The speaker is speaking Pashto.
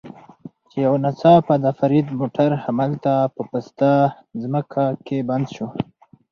چې یو ناڅاپه د فرید موټر همالته په پسته ځمکه کې بند شو.